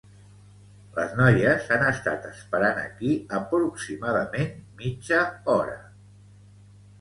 Les noies han estat esperant aquí aproximadament mitja hora.